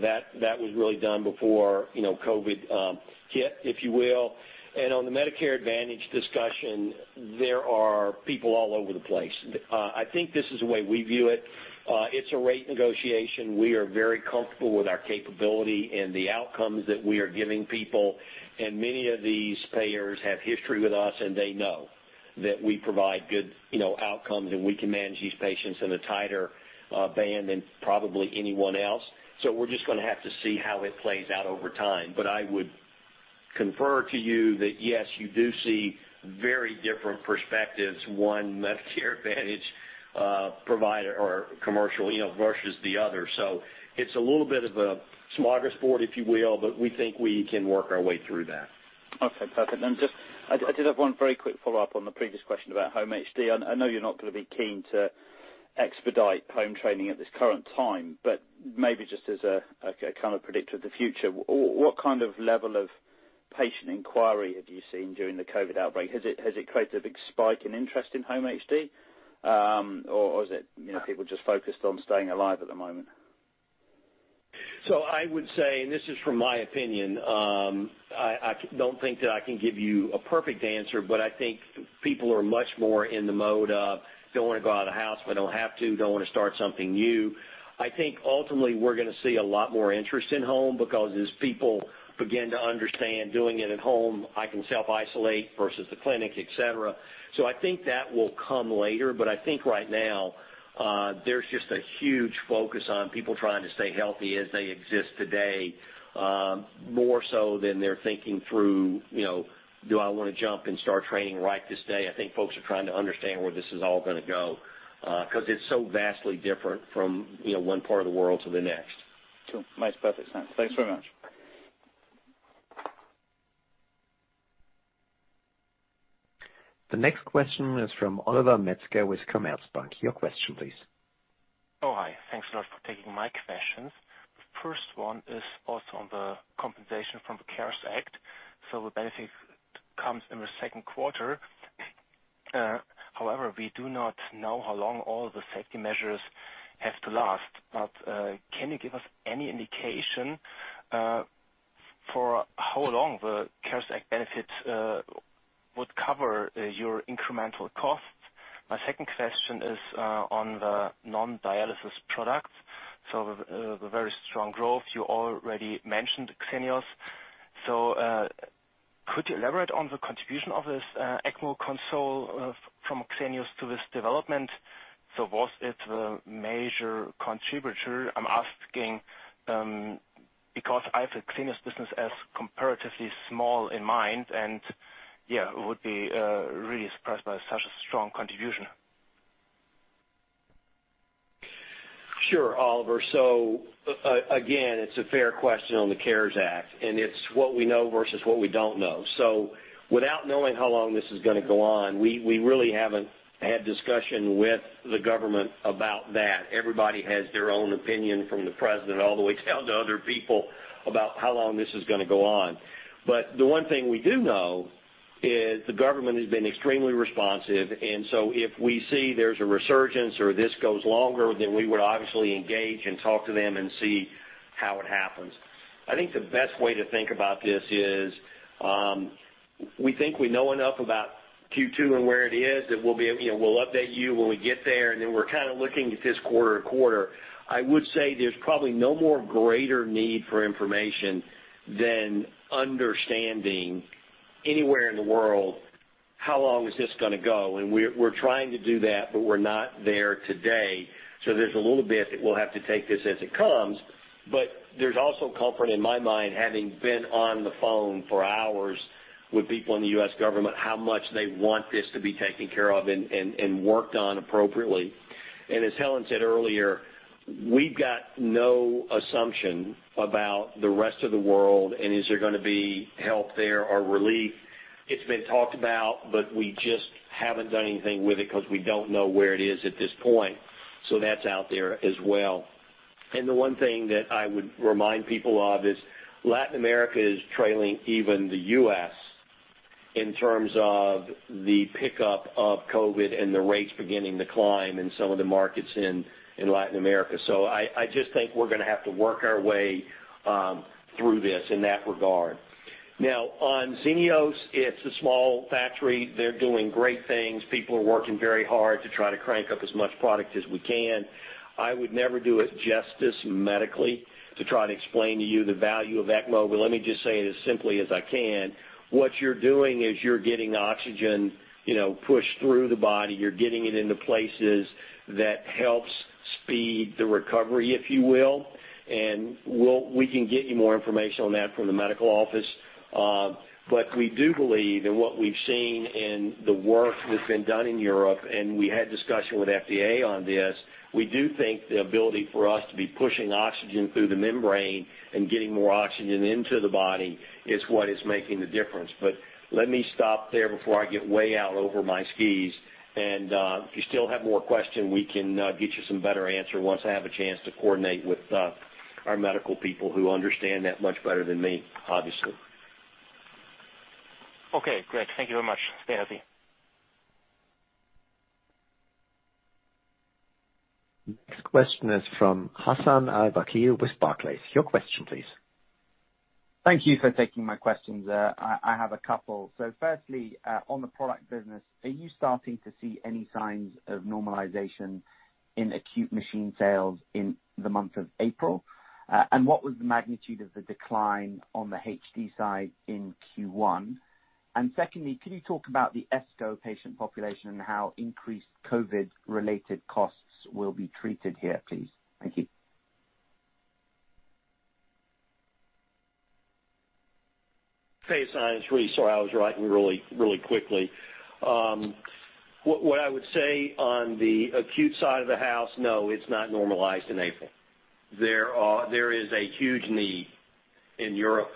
That was really done before COVID hit, if you will. On the Medicare Advantage discussion, there are people all over the place. I think this is the way we view it. It's a rate negotiation. We are very comfortable with our capability, and the outcomes that we are giving people, and many of these payers have a history with us, and they know that we provide good outcomes, and we can manage these patients in a tighter band than probably anyone else. We're just going to have to see how it plays out over time. I would confer to you that yes, you do see very different perspectives, one Medicare Advantage provider or commercial versus the other. It's a little bit of a smorgasbord, if you will, but we think we can work our way through that. Okay, perfect. Just, I did have one very quick follow-up on the previous question about home HD. I know you're not going to be keen to expedite home training at this current time, but maybe just as a kind of predictor of the future, what kind of level of patient inquiry have you seen during the COVID outbreak? Has it created a big spike in interest in home HD? Is it people just focused on staying alive at the moment? I would say, and this is from my opinion, I don't think that I can give you a perfect answer, but I think people are much more in the mode of don't want to go out of the house if I don't have to, don't want to start something new. I think ultimately we're going to see a lot more interest in home because as people begin to understand doing it at home, I can self-isolate versus the clinic, et cetera. I think that will come later, but I think right now, there's just a huge focus on people trying to stay healthy as they exist today, more so than they're thinking through, "Do I want to jump and start training right this day?" Folks are trying to understand where this is all going to go, because it's so vastly different from one part of the world to the next. Cool. Makes perfect sense. Thanks very much. The next question is from Oliver Metzger with Commerzbank. Your question, please. Oh, hi. Thanks a lot for taking my questions. The first one is also on the compensation from the CARES Act. The benefit comes in the second quarter. However, we do not know how long all the safety measures have to last, but can you give us any indication for how long the CARES Act benefits would cover your incremental costs? My second question is on the non-dialysis products, the very strong growth you already mentioned, Xenios. Could you elaborate on the contribution of this ECMO console from Xenios to this development? Was it a major contributor? I'm asking because I have the Xenios business as comparatively small in mind, and yeah, I would be really surprised by such a strong contribution. Sure, Oliver. Again, it's a fair question on the CARES Act, and it's what we know versus what we don't know. Without knowing how long this is going to go on, we really haven't had a discussion with the government about that. Everybody has their own opinion from the President all the way down to other people, about how long this is going to go on. The one thing we do know is the government has been extremely responsive, and so if we see there's a resurgence or this goes longer, then we would obviously engage and talk to them and see how it happens. I think the best way to think about this is, we think we know enough about Q2 and where it is that we'll update you when we get there, and then we're kind of looking at this quarter to quarter. I would say there's probably no more greater need for information than understanding anywhere in the world, how long is this going to go, and we're trying to do that, but we're not there today. There's a little bit that we'll have to take this as it comes, but there's also comfort in my mind, having been on the phone for ho urs with people in the U.S. government, how much they want this to be taken care of and worked on appropriately. As Helen said earlier, we've got no assumption about the rest of the world, and is there going to be help there or relief. It's been talked about, but we just haven't done anything with it because we don't know where it is at this point, so that's out there as well. The one thing that I would remind people of is Latin America is trailing even the U.S. in terms of the pickup of COVID, and the rates beginning to climb in some of the markets in Latin America. I just think we're going to have to work our way through this in that regard. On Xenios, it's a small factory. They're doing great things. People are working very hard to try to crank up as much product as we can. I would never do it justice medically to try to explain to you the value of ECMO, but let me just say it as simply as I can. What you're doing is you're getting oxygen pushed through the body. You're getting it into places that help speed the recovery, if you will, and we can get you more information on that from the medical office. We do believe in what we've seen in the work that's been done in Europe, and we had a discussion with the FDA on this. We do think the ability for us to be pushing oxygen through the membrane and getting more oxygen into the body is what is making the difference. Let me stop there before I get way out over my skis, and if you still have more questions, we can get you some better answers once I have a chance to coordinate with our medical people, who understand that much better than me, obviously. Okay, great. Thank you very much. Stay healthy. Next question is from Hassan Al-Wakeel with Barclays. Your question, please. Thank you for taking my questions. I have a couple. Firstly, on the product business, are you starting to see any signs of normalization in acute machine sales in the month of April? What was the magnitude of the decline on the HD side in Q1? Secondly, can you talk about the ESCO patient population and how increased COVID-related costs will be treated here, please? Thank you. Hassan, I am really sorry. I was writing really quickly. What I would say on the acute side of the house, no, it's not normalized in April. There is a huge need in Europe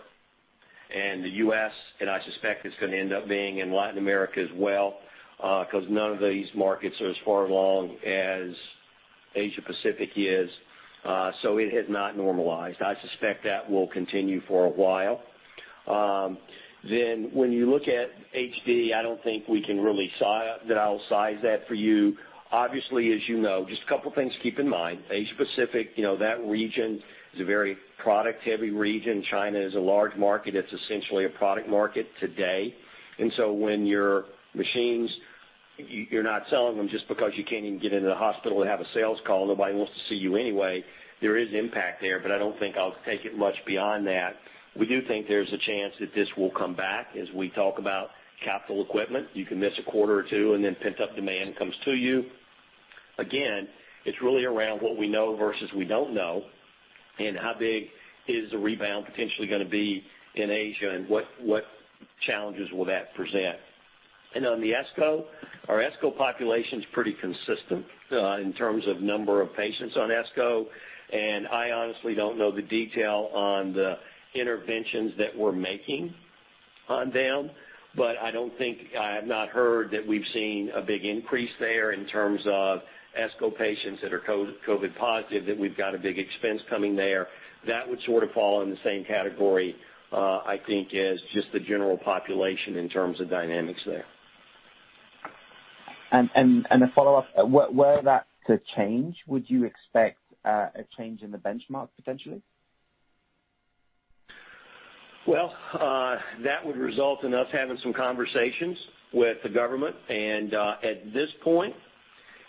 and the U.S., and I suspect it's going to end up being in Latin America as well, because none of these markets are as far along as Asia-Pacific is, so it has not normalized. I suspect that will continue for a while. When you look at HD, I don't think that I'll size that for you. Obviously, as you know, just a couple of things to keep in mind. Asia-Pacific, that region is a very product-heavy region. China is a large market. It's essentially a product market today, and so when your machines, you're not selling them just because you can't even get into the hospital to have a sales call. Nobody wants to see you anyway. There is impact there, but I don't think I'll take it much beyond that. We do think there's a chance that this will come back as we talk about capital equipment. You can miss a quarter or two, and then pent-up demand comes to you. It's really around what we know versus we don't know and how big is the rebound potentially going to be in Asia and what challenges will that present. On the ESCO. Our ESCO population is pretty consistent in terms of number of patients on ESCO, and I honestly don't know the detail on the interventions that we're making on them. I have not heard that we've seen a big increase there in terms of ESCO patients that are COVID positive, that we've got a big expense coming there. That would sort of fall in the same category, I think, as just the general population in terms of dynamics there. A follow-up. Were that to change, would you expect a change in the benchmark potentially? Well, that would result in us having some conversations with the government. At this point,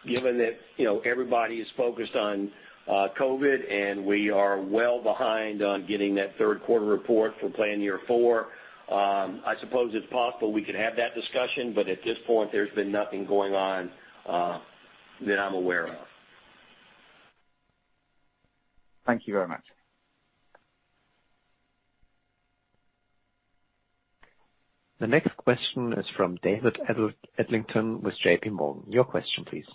given that everybody is focused on COVID, and we are well behind on getting that third quarter report for plan year four, I suppose it's possible we could have that discussion, but at this point, there's been nothing going on that I'm aware of. Thank you very much. The next question is from David Adlington with JPMorgan. Your question, please.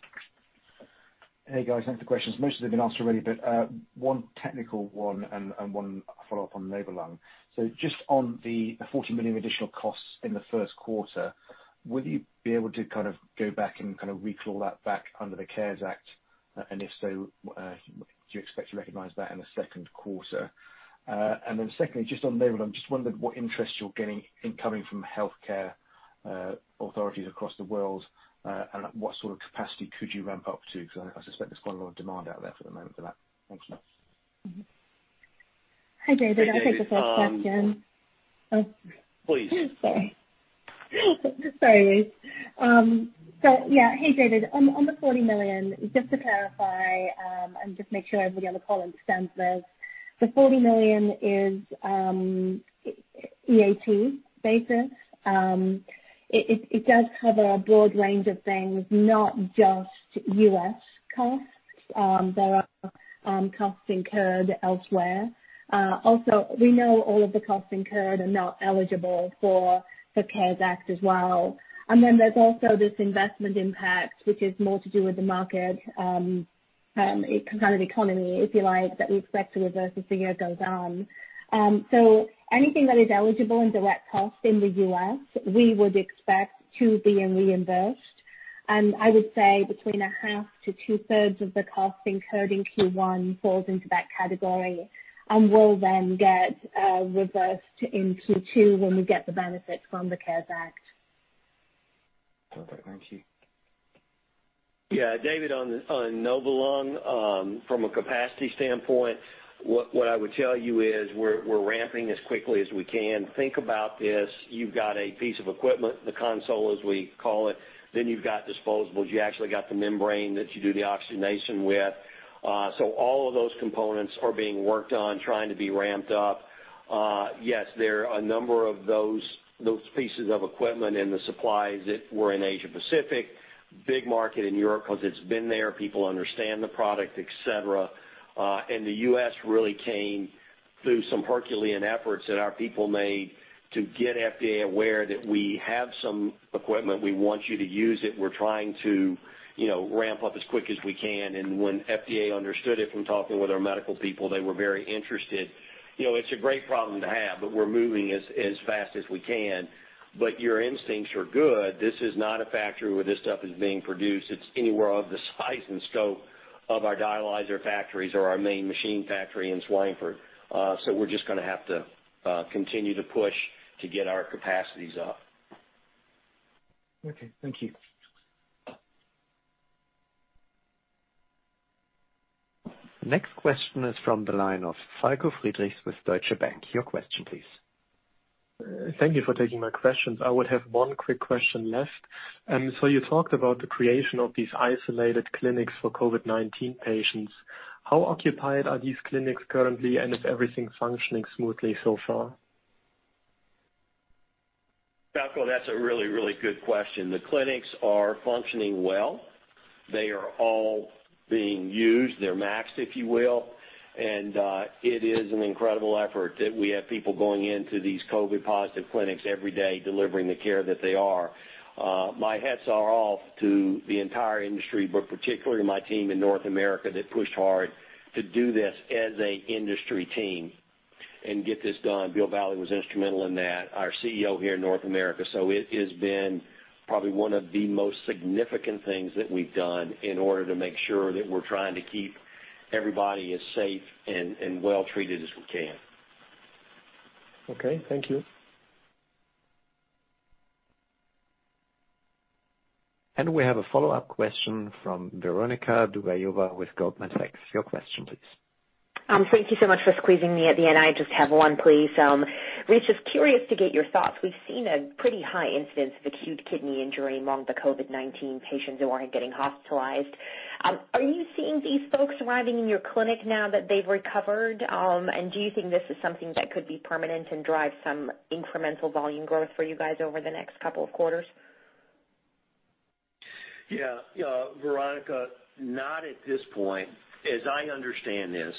Hey, guys. Thanks for the questions. Most have been answered already, but one technical one and one follow-up on Novalung. Just on the $40 million additional costs in the first quarter, will you be able to go back and kind of recall that back under the CARES Act, and if so, do you expect to recognize that in the second quarter? Secondly, just on Novalung, just wondering what interest you're getting incoming from healthcare authorities across the world, and at what sort of capacity could you ramp up to? Because I suspect there's quite a lot of demand out there for the moment for that. Thank you. Mm-hmm. Hi, David. I'll take the first question. Please. Sorry. Sorry, Rich. Hey, David. On the $40 million, just to clarify, and just make sure everybody on the call understands this, the $40 million is EAT basis. It does cover a broad range of things, not just U.S. costs. There are costs incurred elsewhere. We know all of the costs incurred are not eligible for the CARES Act as well. There's also this investment impact, which is more to do with the market, kind of the economy, if you like, that we expect to reverse as the year goes on. Anything that is eligible and a direct cost in the U.S., we would expect to be reimbursed. I would say between a half to 2/3 of the cost incurred in Q1 falls into that category, and will then get reversed in Q2 when we get the benefit from the CARES Act. Perfect. Thank you. David, on Novalung, from a capacity standpoint, what I would tell you is we're ramping as quickly as we can. Think about this. You've got a piece of equipment, the console, as we call it, then you've got disposables. You actually got the membrane that you do the oxygenation with. All of those components are being worked on, trying to be ramped up. Yes, there are a number of those pieces of equipment and the supplies that were in Asia Pacific, big market in Europe, because it's been there, people understand the product, et cetera. The U.S. really came through some Herculean efforts that our people made to get FDA aware that we have some equipment, we want you to use it. We're trying to ramp up as quick as we can. When FDA understood it from talking with our medical people, they were very interested. It's a great problem to have, but we're moving as fast as we can. Your instincts are good. This is not a factory where this stuff is being produced. It's anywhere of the size and scope of our dialyzer factories or our main machine factory in Schweinfurt. We're just going to have to continue to push to get our capacities up. Okay. Thank you. Next question is from the line of Falko Friedrichs with Deutsche Bank. Your question, please. Thank you for taking my questions. I would have one quick question left. You talked about the creation of these isolated clinics for COVID-19 patients. How occupied are these clinics currently, and is everything functioning smoothly so far? Falko, that's a really good question. The clinics are functioning well. They are all being used. They're maxed, if you will, and it is an incredible effort that we have people going into these COVID-positive clinics every day delivering the care that they are. My hats are off to the entire industry, but particularly my team in North America, that pushed hard to do this as a industry team and get this done. Bill Valle was instrumental in that, our CEO here in North America. It has been probably one of the most significant things that we've done in order to make sure that we're trying to keep everybody as safe and well-treated as we can. Okay. Thank you. We have a follow-up question from Veronika Dubajova with Goldman Sachs. Your question, please. Thank you so much for squeezing me at the end. I just have one, please. Rice, just curious to get your thoughts. We've seen a pretty high incidence of acute kidney injury among the COVID-19 patients who are getting hospitalized. Are you seeing these folks arriving in your clinic now that they've recovered? Do you think this is something that could be permanent and drive some incremental volume growth for you guys over the next couple of quarters? Yeah. Veronika, not at this point. As I understand this,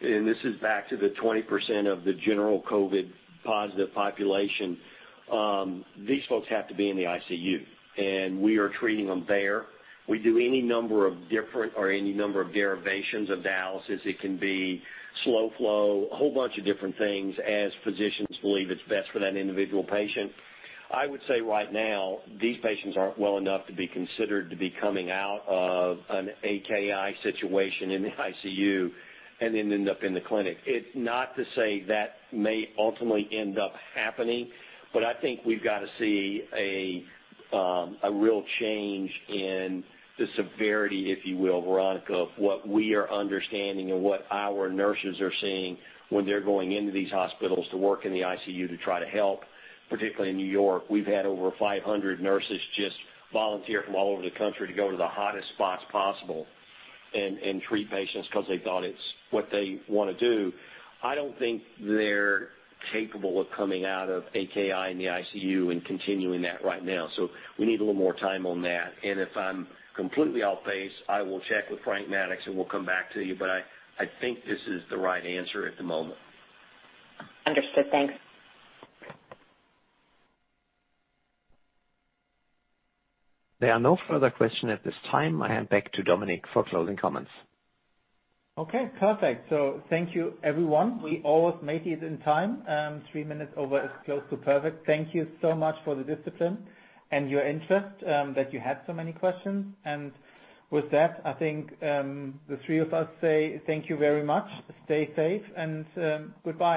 and this is back to the 20% of the general COVID-positive population, these folks have to be in the ICU, and we are treating them there. We do any number of different or any number of derivations of dialysis. It can be slow flow, a whole bunch of different things, as physicians believe it's best for that individual patient. I would say right now, these patients aren't well enough to be considered to be coming out of an AKI situation in the ICU and then end up in the clinic. It's not to say that may ultimately end up happening, but I think we've got to see a real change in the severity, if you will, Veronika, of what we are understanding and what our nurses are seeing when they're going into these hospitals to work in the ICU to try to help. Particularly in New York, we've had over 500 nurses just volunteer from all over the country to go to the hottest spots possible and treat patients because they thought it's what they want to do. I don't think they're capable of coming out of AKI in the ICU and continuing that right now. We need a little more time on that. If I'm completely off base, I will check with Frank Maddux, and we'll come back to you. I think this is the right answer at the moment. Understood. Thanks. There are no further questions at this time. I hand back to Dominik for closing comments. Okay, perfect. Thank you, everyone. We always made it in time. Three minutes over is close to perfect. Thank you so much for the discipline and your interest, that you had so many questions. With that, I think the three of us say thank you very much. Stay safe, and goodbye.